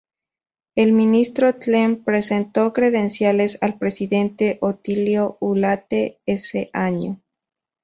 El Ministro Klee presentó credenciales al presidente Otilio Ulate ese año.